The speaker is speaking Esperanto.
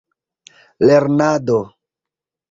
lernado